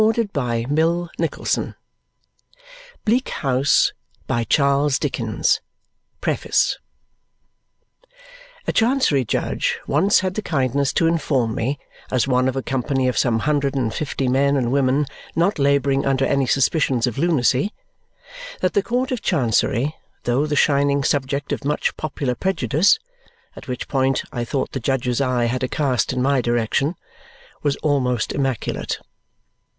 Down in Lincolnshire LXVII. The Close of Esther's Narrative PREFACE A Chancery judge once had the kindness to inform me, as one of a company of some hundred and fifty men and women not labouring under any suspicions of lunacy, that the Court of Chancery, though the shining subject of much popular prejudice (at which point I thought the judge's eye had a cast in my direction), was almost immaculate.